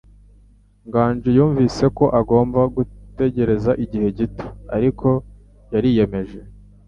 Nganji yumvise ko agomba gutegereza igihe gito, ariko yariyemeje.